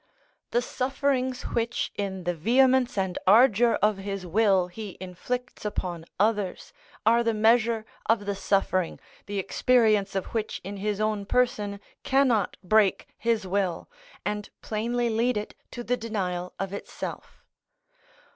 The sufferings which in the vehemence and ardour of his will he inflicts upon others are the measure of the suffering, the experience of which in his own person cannot break his will, and plainly lead it to the denial of itself.